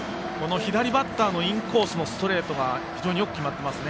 左バッターのインコースへのストレートが非常によく決まっていますね。